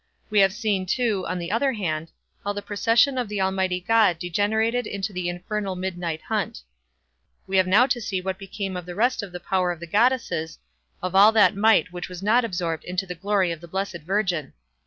We have seen, too, on the other hand, how the procession of the Almighty God degenerated into the infernal midnight hunt. We have now to see what became of the rest of the power of the goddesses, of all that might which was not absorbed into the glory of the blessed Virgin.